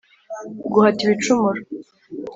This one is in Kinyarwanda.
Guhata ibicumuro